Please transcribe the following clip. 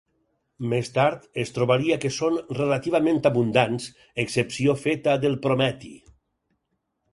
Més tard, es trobaria que són relativament abundants, excepció feta del prometi.